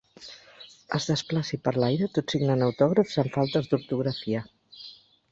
Es desplaci per l'aire tot signant autògrafs amb faltes d'ortografia.